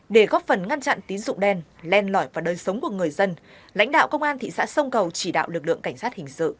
để góp phần ngăn chặn tín dụng đen len lỏi vào đời sống của người dân lãnh đạo công an thị xã sông cầu chỉ đạo lực lượng cảnh sát hình sự